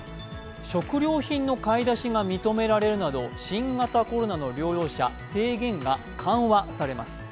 食料品の買い出しが認められるなど、新型コロナの療養者、制限が緩和されます。